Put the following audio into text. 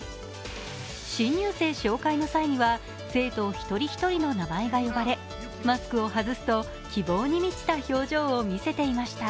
新入生紹介の際には生徒１人１人の名前が呼ばれ、マスクを外すと、希望に満ちた表情を見せていました。